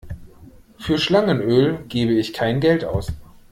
Für Schlangenöl gebe ich kein Geld aus.